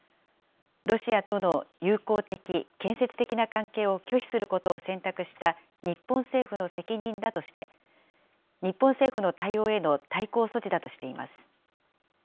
ロシアとの友好的、建設的な関係を拒否することを選択した日本政府の責任だとして、日本政府の対応への対抗措置だとしています。